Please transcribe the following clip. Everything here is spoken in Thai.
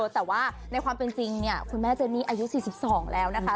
แต่ว่าในความเป็นจริงเนี่ยคุณแม่เจนี่อายุ๔๒แล้วนะคะ